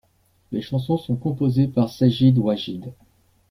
Les chansons sont composées par Sajid-Wajid.